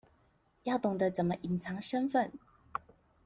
要懂得怎麼隱藏身份